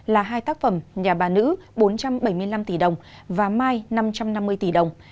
là hai tác phẩm nhà bà nữ bốn trăm bảy mươi năm tỷ đồng và mai năm trăm năm mươi tỷ đồng